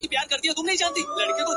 • درد چي سړی سو له پرهار سره خبرې کوي،